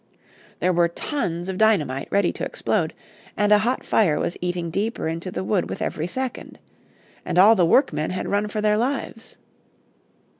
There were tons of dynamite ready to explode, and a hot fire was eating deeper into the wood with every second. And all the workmen had run for their lives!